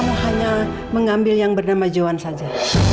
kenapa kamu hanya mengambil yang bernama zewan saja